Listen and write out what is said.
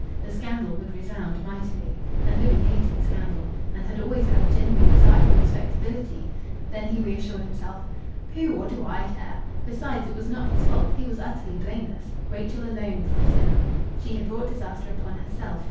The scandal would resound mightily. And Louis hated scandal, and had always had a genuine desire for respectability.... Then he reassured himself. "Pooh! What do I care?" Besides, it was not his fault. He was utterly blameless; Rachel alone was the sinner. She had brought disaster upon herself.